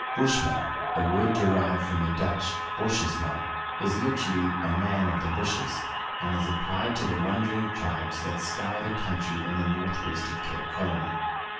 Bushman, a word derived from the Dutch " Bochjesman," is literally " a man of the bushes," and is applied to the wandering tribes that scour the country in THREE ENGLISHMEN AND THREE RUSSIANS. 3 the N.W. of Cape Colony.